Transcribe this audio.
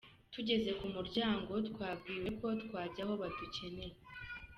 Tugeze ku muryango twabwiwe ko twajya aho badukeneye.